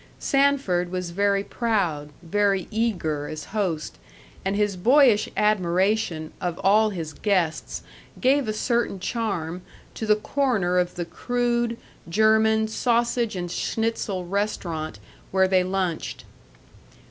Sanford was very proud, very eager as host, and his boyish admiration of all his guests gave a certain charm to the corner of the crude German sausage and schnitzel restaurant where they lunched.